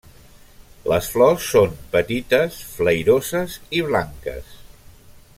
Les flors són petites flairoses i blanques.